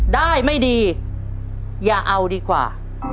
ได้ไม่ดีอย่าเอาดีกว่า